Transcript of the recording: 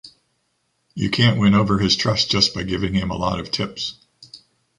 You can’t win over his trust just by giving him a lot of tips.